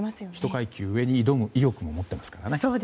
１階級上に挑む意欲も持っていますからね。